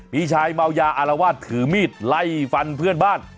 มีชายเมายาอารวาสถือมีดไล่ฟันเพื่อนบ้าน